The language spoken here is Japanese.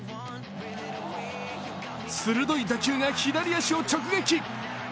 鋭い打球が左足を直撃。